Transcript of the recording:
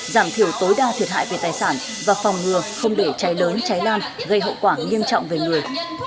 giảm thiểu tối đa thiệt hại về tài sản và phòng ngừa không để cháy lớn cháy lan gây hậu quả nghiêm trọng về người